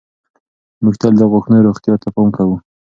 موږ تل د غاښونو روغتیا ته پام کوو.